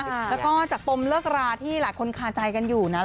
แล้วก็จากปมเลิกราที่หลายคนคาใจกันอยู่นะ